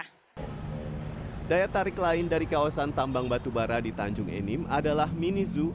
daya tarik lain dari kawasan tambang batubara di tanjung enim adalah mini zoo